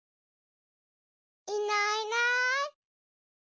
いないいない。